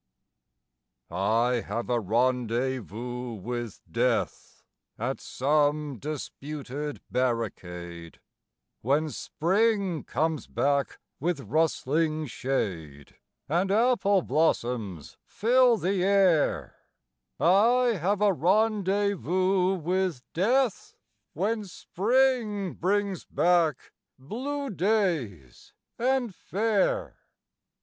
I have a rendezvous with Death At some disputed barricade, When Spring comes back with rustling shade And apple blossoms fill the air I have a rendezvous with Death When Spring brings back blue days and fair.